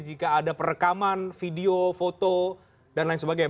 jika ada perekaman video foto dan lain sebagainya